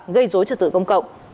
gây dối trật tự công cộng